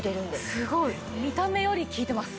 すごい見た目より効いてます。